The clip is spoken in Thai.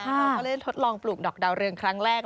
เราก็เล่นทดลองปลูกดอกดาวเรืองครั้งแรก